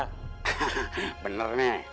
hahaha bener nih